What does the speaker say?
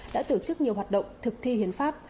đã tổ chức nhiều hoạt động thực thi hiến pháp